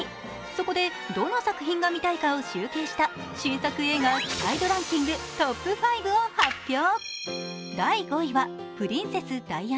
そこでどの作品が見たいかを集計した新作映画期待度ランキングトップ５を発表。